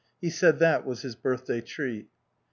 He said that was his birthday treat.